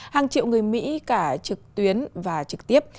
hàng triệu người mỹ cả trực tuyến và trực tiếp